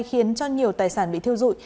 khiến cho nhiều tài sản bị thiêu dụi